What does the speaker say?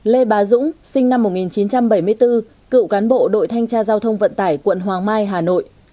lê bá dũng sinh năm một nghìn chín trăm bảy mươi bốn cựu cán bộ đội thanh tra giao thông vận tải quận hoàng mai hà nội